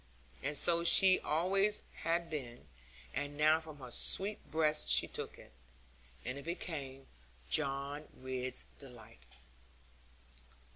And so she always had been, and now from her sweet breast she took it, and it became John Ridd's delight.